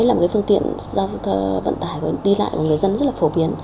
là một phương tiện do vận tải đi lại của người dân rất phổ biến